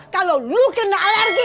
kalau lu kena alergi